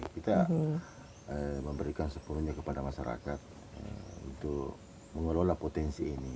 kita memberikan sepenuhnya kepada masyarakat untuk mengelola potensi ini